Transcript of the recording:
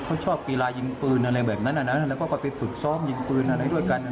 เขาชอบกีฬายิงปืนอะไรแบบนั้นแล้วก็ไปฝึกซ้อมยิงปืนอะไรด้วยกัน